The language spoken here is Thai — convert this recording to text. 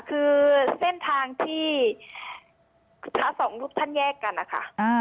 คือเส้นทางที่ทั้งสองลูกท่านแยกกันอ่ะค่ะอ่า